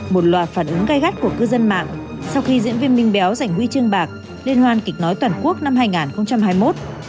một loạt phản ứng gai gắt của cư dân mạng sau khi diễn viên minh béo giành huy chương bạc liên hoan kịch nói toàn quốc năm hai nghìn hai mươi một